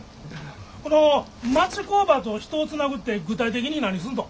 この「町工場と人を繋ぐ」って具体的に何すんの？